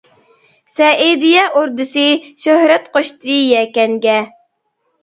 ، سەئىدىيە ئوردىسى، شۆھرەت قوشتى يەكەنگە.